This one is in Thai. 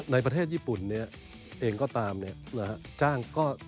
ในประเทศญี่ปุ่นเนี่ยเองก็ตามจ้างก็